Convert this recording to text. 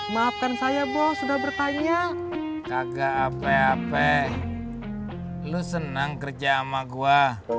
maafkan saya bos sudah bertanya kagak apa apa lu senang kerja sama gua